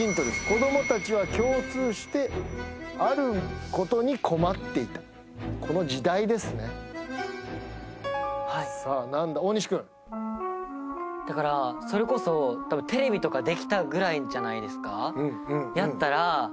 子どもたちは共通してあることに困っていたこの時代ですねはいさあ何だ大西くんだからそれこそテレビとかできたぐらいじゃないですか？